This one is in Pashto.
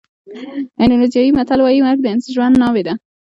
اندونېزیایي متل وایي مرګ د ژوند ناوې ده.